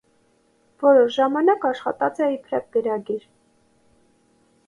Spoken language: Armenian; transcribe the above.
Որոշ ժամանակ աշխատած է իբրեւ գրագիր։